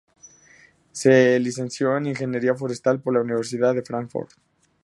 Se licenció en ingeniería forestal por la Universidad de Fráncfort.